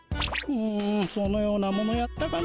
うんそのようなものやったかのう。